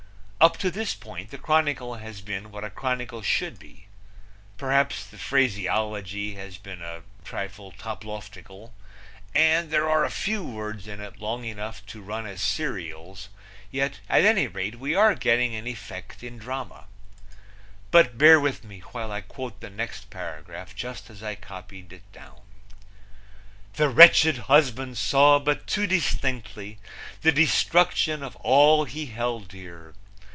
Up to this point the chronicle has been what a chronicle should be. Perhaps the phraseology has been a trifle toploftical, and there are a few words in it long enough to run as serials, yet at any rate we are getting an effect in drama. But bear with me while I quote the next paragraph, just as I copied it down: The wretched husband saw but too distinctly the destruction of all he held dear.